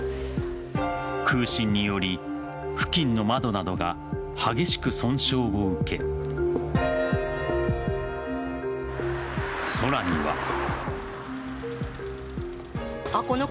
空振により付近の窓などが激しく損傷を受け空には。